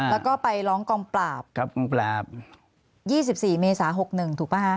แล้วก็ไปร้องกองปราบครับกองปราบยี่สิบสี่เมษา๖๑ถูกป่ะฮะ